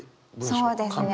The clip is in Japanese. そうですね